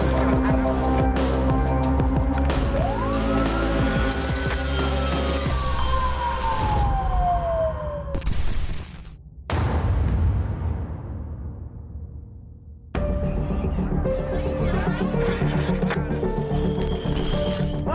ครอบครัว